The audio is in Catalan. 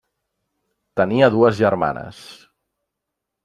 Tenia dues germanes: